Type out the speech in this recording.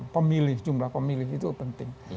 pemilih jumlah pemilih itu penting